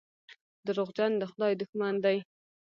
دروغجن د خدای دښمن دی.